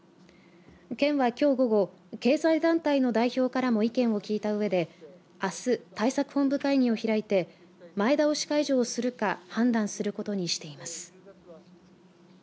県はきょう午後、経済団体の代表からも意見を聞いたうえであす、対策本部会議を開いて前倒し解除をするか判断することにしています。